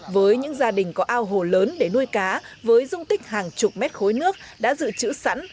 với những gia đình có ao hồ lớn để nuôi cá với dung tích hàng chục mét khối nước đã dự trữ sẵn